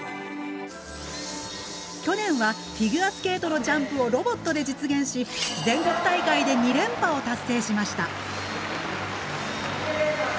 去年はフィギュアスケートのジャンプをロボットで実現し全国大会で２連覇を達成しました。